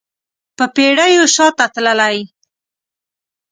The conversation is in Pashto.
په پیړیو شاته تللی